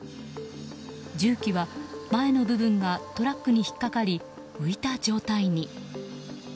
重機は前の部分がトラックに引っかかり浮いた状態に。